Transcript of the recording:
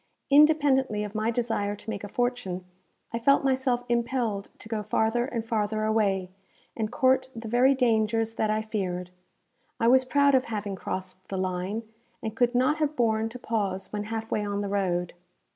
Independently of my desire to make a fortune, I felt myself impelled to go farther and farther away, and court the very dangers that I feared. I was proud of having crossed the line, and could not have borne to pause when half way on the road.